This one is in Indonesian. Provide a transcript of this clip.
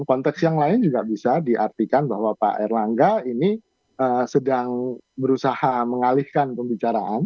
konteks yang lain juga bisa diartikan bahwa pak erlangga ini sedang berusaha mengalihkan pembicaraan